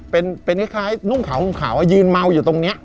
เป็นคล้ายนุ่งขาวห่มขาวยืนเมาอยู่ตรงนี้